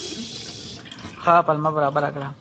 ښه پلمه برابره کړه.